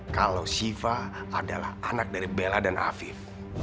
kalau shiva adalah anak dari bella dan afif